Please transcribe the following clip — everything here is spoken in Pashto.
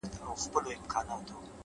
هڅاند ذهن ستړیا نه مني،